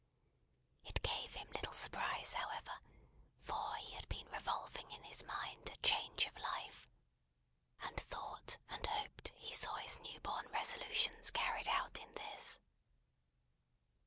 It gave him little surprise, however; for he had been revolving in his mind a change of life, and thought and hoped he saw his new born resolutions carried out in this.